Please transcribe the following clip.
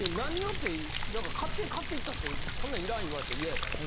ってなんか勝手に買っていったってこんなん要らん言われたら嫌やから。